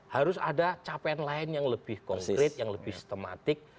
harus ada capaian lain yang lebih konkret yang lebih sistematik